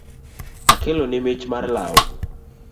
Akeloni mich mar lau.